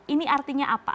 ini artinya apa